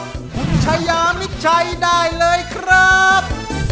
คุณชายามิดชัยได้เลยครับ